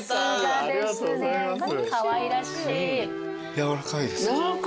やわらかいですか？